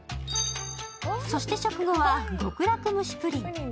そして食後は極楽蒸しプリン。